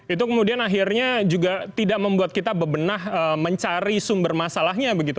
itu kemudian akhirnya juga tidak membuat kita bebenah mencari sumber masalahnya begitu